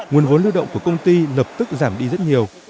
nguồn vốn lưu động của công ty lập tức giảm đi rất nhiều